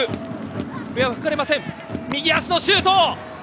右足のシュート。